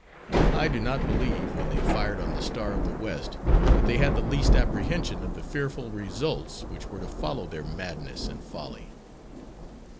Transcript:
I do not believe when they fired on the 'Star of the West' that they had the least apprehension of the fearful results which were to follow their madness and folly."